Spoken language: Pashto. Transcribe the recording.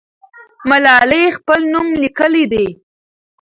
ملالۍ خپل نوم لیکلی دی.